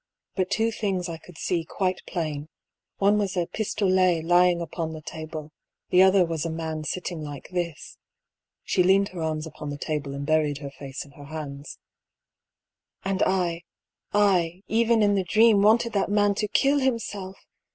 But two things I could see quite plain : one was a pistolet lying upon the table, the other was a man sitting like this." (She leaned her arms upon the table and buried her face in her hands.) " And I — 234 I>B. PAULL'S THEORY. I, eren in the dream, wanted that man to kill himself